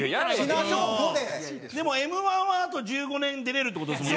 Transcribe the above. でもＭ−１はあと１５年出れるって事ですもんね。